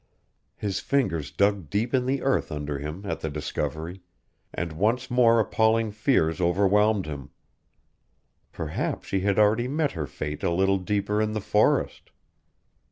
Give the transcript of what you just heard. His fingers dug deep in the earth under him at the discovery, and once more appalling fears overwhelmed him. Perhaps she had already met her fate a little deeper in the forest.